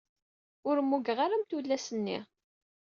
Ur mmugeɣ ara am tullas-nni.